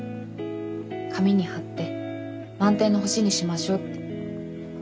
「紙に貼って満天の星にしましょう」って。